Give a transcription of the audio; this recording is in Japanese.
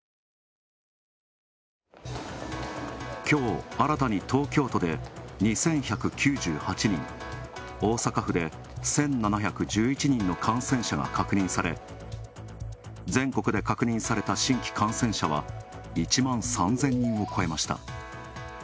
きょう、新たに東京都で２１９８人、大阪府で１７１１人の感染者が確認され、全国で確認された新規感染者は、１万３０００人を超えました。